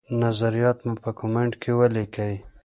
نظریات مو په کمنټ کي ولیکئ.